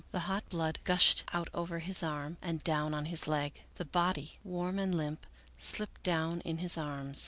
The hot blood gushed out over his arm, and down on his leg. The body, warm and limp, slipped down in his arms.